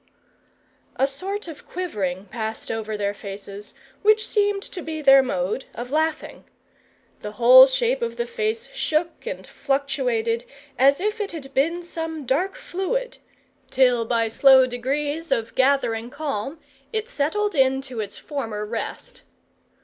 A sort of quivering passed over their faces, which seemed to be their mode of laughing. The whole shape of the face shook and fluctuated as if it had been some dark fluid; till by slow degrees of gathering calm, it settled into its former rest.